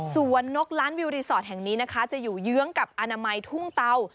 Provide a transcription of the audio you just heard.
ส่วนนกล้านวิวรีสอร์ทแห่งนี้นะคะจะอยู่เยื้องกับอนามัยทุ่งเตา